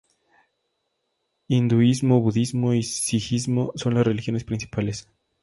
Hinduismo, budismo y sijismo son las religiones principales.